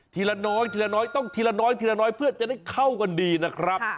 ทีละน้อยต้องทีละน้อยเพื่อจะได้เข้ากันดีนะครับ